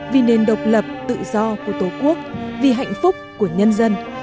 vì nền độc lập tự do của tổ quốc vì hạnh phúc của nhân dân